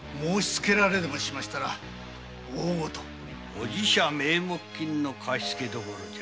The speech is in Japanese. お寺社名目金の貸付所じゃ。